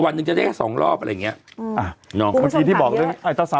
วันหนึ่งจะได้แค่สองรอบแบบเนี้ยอ่ะนี้ที่บอกเรื่องอัยตรี